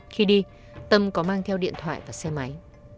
khi đi tâm có mang theo điện thoại và xe máy